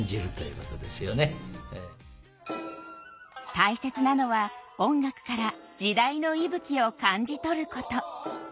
大切なのは音楽から時代の息吹を感じ取ること。